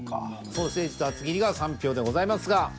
ソーセージと厚切りが３票でございますが。